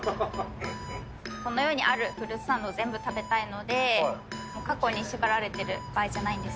この世にあるフルーツサンドを全部食べたいので、過去に縛られてる場合じゃないんです。